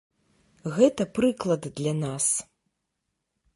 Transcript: Гэта прыклад для нас.